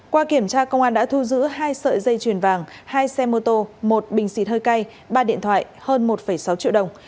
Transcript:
qua kiểm tra công an đã thu giữ hai sợi dây chuyền vàng hai xe mô tô một bình xịt hơi cay ba điện thoại hơn một sáu triệu đồng